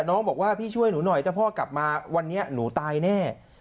น้องบอกว่าพี่ช่วยหนูหน่อยถ้าพ่อกลับมาวันนี้หนูตายแน่